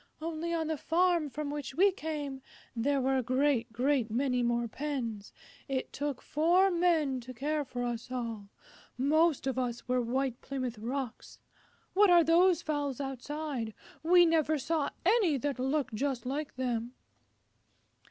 "Only on the farm from which we came there were a great, great many more pens. It took four Men to care for us all. Most of us were White Plymouth Rocks. What are those fowls outside? We never saw any that looked just like them."